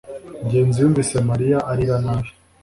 ngenzi yumvise mariya arira nabi